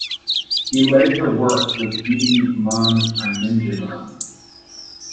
He later worked with Beenie Man and Ninjaman.